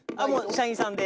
社員さんで！？